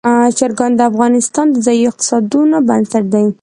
چرګان د افغانستان د ځایي اقتصادونو بنسټ دی.